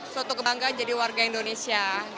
suatu kebanggaan jadi warga indonesia